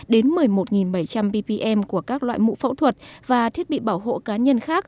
đến một mươi một bảy trăm linh ppm của các loại mũ phẫu thuật và thiết bị bảo hộ cá nhân khác